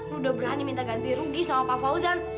udah berani minta ganti rugi sama pak fauzan